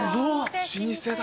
老舗だ。